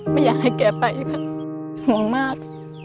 ไม่อยากให้แกไปค่ะห่วงมาก